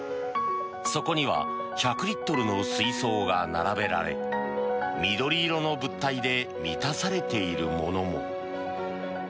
そこには１００リットルの水槽が並べられ緑色の物体で満たされているものも。